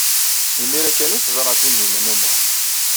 Imir-a kan ay t-teẓra Tinhinan u Muḥ.